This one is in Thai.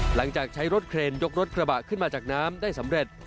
หลังจากใช้รถเครนยกรถกระบะขึ้นมาจากน้ำได้สำเร็จ